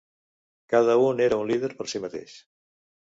Cada un era un líder per sí mateix.